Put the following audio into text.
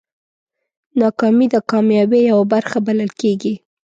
ناکامي د کامیابۍ یوه برخه بلل کېږي.